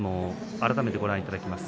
改めてご覧いただきます。